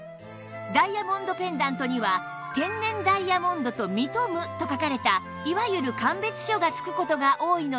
ダイヤモンドペンダントには「天然ダイヤモンドと認む」と書かれたいわゆる鑑別書が付く事が多いのですが